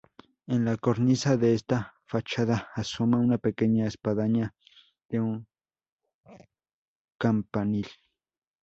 En la cornisa de esta fachada asoma una pequeña espadaña de un campanil.